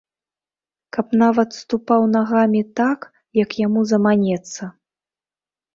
Каб нават ступаў нагамі так, як яму заманецца.